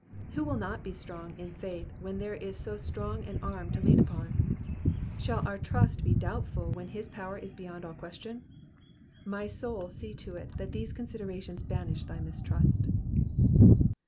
*' Who will not be strong in faith when there is so strong an arm to lean upon ? Shall our trust bo doubtful when his power is beyond all question ? My soul see to it that these considerations banish thy mistrust.